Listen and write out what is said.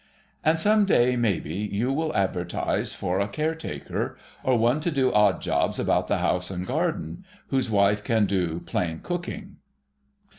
And some day, maybe, you will advertise for a caretaker, or one to do odd jobs about the house and garden, whose wife can do plain cooking.